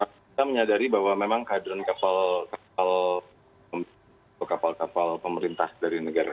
kita menyadari bahwa memang kadron kapal kapal pemerintah dari negara